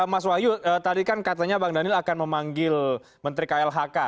mas wahyu tadi kan katanya bang daniel akan memanggil menteri klhk